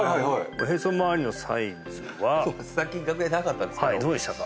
おへそまわりのサイズはさっき楽屋で測ったんですけどどうでしたか？